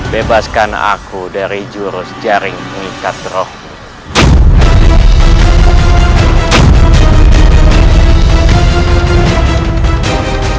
bebaskan aku dari jurus jaring pengikat rohmu